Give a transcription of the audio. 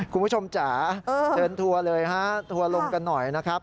คุณผู้ชมจ๋าเชิญทัวร์เลยฮะทัวร์ลงกันหน่อยนะครับ